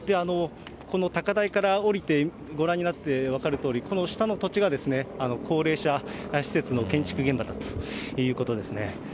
この高台から降りてご覧になって分かるとおり、この下の土地がですね、高齢者施設の建築現場だということですね。